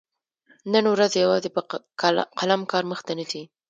نن ورځ يوازي په قلم کار مخته نه ځي.